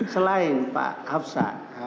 selain pak hafsa